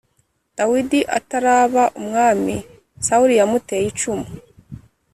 dawidi ataraba umwami sawuli yamuteye icumu